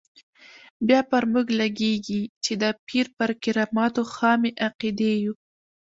بیا پر موږ لګېږي چې د پیر پر کراماتو خامې عقیدې یو.